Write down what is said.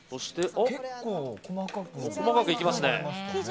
細かくいきますね。